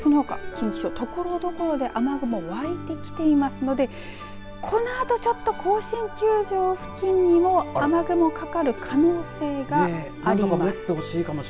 そのほか近畿地方ところどころで雨雲湧いてきていますのでこのあとちょっと甲子園球場付近にも雨雲かかる可能性があります。